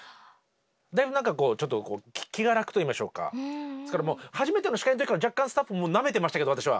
だいぶ何かこう気が楽といいましょうか初めての司会の時から若干スタッフなめてましたけど私は。